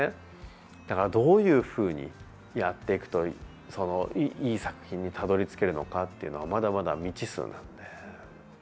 だからどういうふうにやっていくといい作品にたどりつけるのかというのはまだまだ未知数なので。